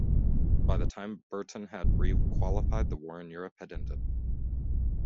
By the time Berton had requalified, the war in Europe had ended.